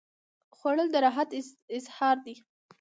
خوړل د رحمت اظهار دی